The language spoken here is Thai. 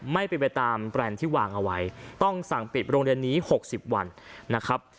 ไม่เป็นไปตามแบรนด์ที่วางเอาไว้ต้องสั่งปิดโรงเรียนนี้๖๐วันนะครับ